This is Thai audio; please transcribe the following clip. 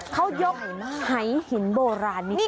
เขายกหายหินโบราณนี้ขึ้นมา